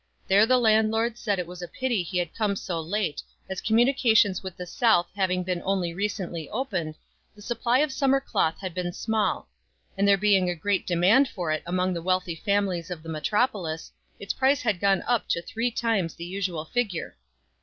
There the land lord said it was a pity he had come so late, as com munications with the south having been only recently opened, the supply of summer cloth had been small ; and there being a great demand for it among the wealthy families of the metropolis, its price had gone up to three times the usual figure.